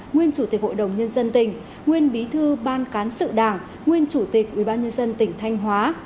nguyên chủ tịch hội đồng nhân dân tỉnh nguyên bí thư ban cán sự đảng nguyên chủ tịch ubnd tỉnh thanh hóa